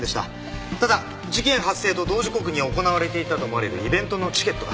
ただ事件発生と同時刻に行われていたと思われるイベントのチケットが。